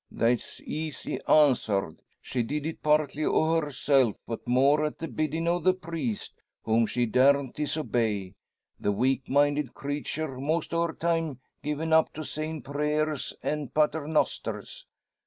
"That's easy answered. She did it partly o' herself; but more at the biddin' o' the priest, whom she daren't disobey the weak minded creature most o' her time given up to sayin' prayers and paternosters.